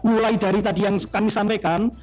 mulai dari tadi yang kami sampaikan